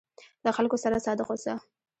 له خلکو سره صادق اوسه.